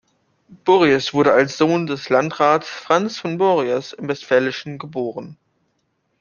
Borries wurde als Sohn des Landrats Franz von Borries im Westfälischen geboren.